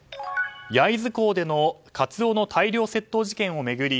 焼津港でのカツオの大量窃盗事件を巡り